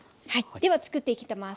ではつくっていきます。